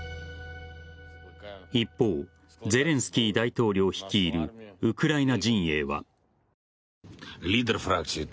一方ゼレンスキー大統領率いるウクライナ陣営は。